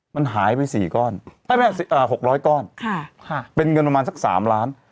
มันหายไปสี่ก้อนไม่เป็นอ่าหกร้อยก้อนค่ะค่ะเป็นเงินประมาณสักสามล้าน